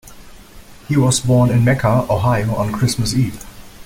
He was born in Mecca, Ohio, on Christmas Eve.